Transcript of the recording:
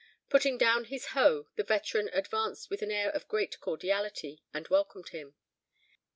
Putting down his hoe, the veteran advanced with an air of great cordiality, and welcomed him.